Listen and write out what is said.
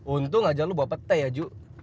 untung aja lo bawa petek ya ju